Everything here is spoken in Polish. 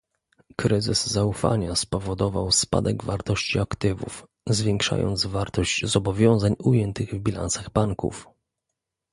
Kryzys zaufania spowodował spadek wartości aktywów, zwiększając wartość zobowiązań ujętych w bilansach banków